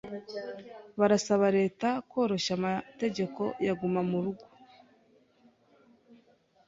Barasaba leta koroshya amategeko ya Guma mu rugo